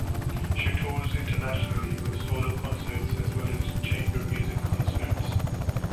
She tours internationally with solo concerts as well as chamber music concerts.